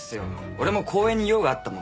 俺も公園に用があったもんで。